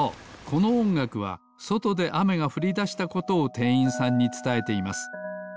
このおんがくはそとであめがふりだしたことをてんいんさんにつたえています。